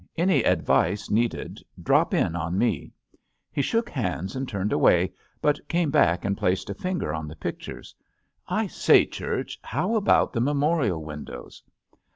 Any advice needed, drop in on me." He shook hands and turned away, but came back and placed a finger on the pictures : "I say, Church, how about the memorial windows?"